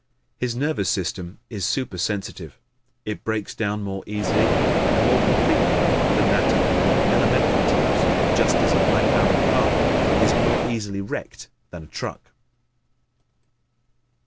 His nervous system is supersensitive. It breaks down more easily and more completely than that of the more elemental types, just as a high powered car is more easily wrecked than a truck.